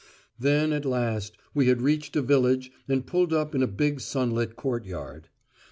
Then at last we had reached a village and pulled up in a big sunlit courtyard.